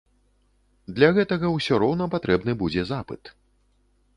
Для гэтага ўсё роўна патрэбны будзе запыт.